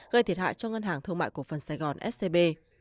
gây thiệt hại cho ngân hàng thương mại cổ phần sài gòn scb